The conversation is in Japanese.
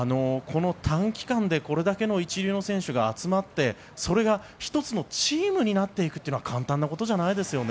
この短期間でこれだけの一流選手が集まってそれが一つのチームになることは簡単じゃないですよね。